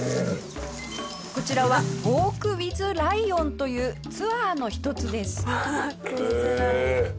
こちらはウォークｗｉｔｈライオンというツアーの一つです。